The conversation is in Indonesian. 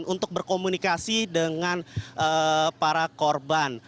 untuk berkomunikasi dengan para korban